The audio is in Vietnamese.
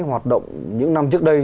hoạt động những năm trước đây